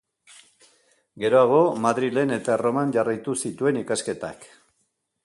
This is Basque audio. Geroago Madrilen eta Erroman jarraitu zituen ikasketak.